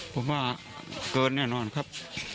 ผมว่าเกินแน่นอนครับ